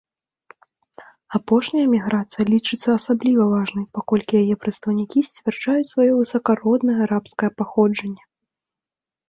Апошняя міграцыя лічыцца асабліва важнай, паколькі яе прадстаўнікі сцвярджаюць сваё высакароднае арабскае паходжанне.